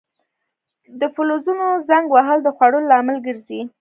د فلزونو زنګ وهل د خوړلو لامل ګرځي.